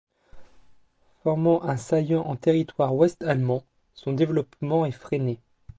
Formant un saillant en territoire ouest-allemand, son développement est freiné.